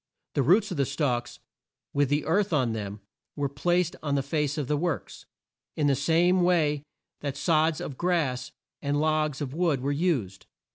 The roots of the stalks, with the earth on them, were placed on the face of the works, in the same way that sods of grass, and logs of wood were used.